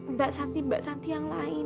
mbak santi mbak santi yang lain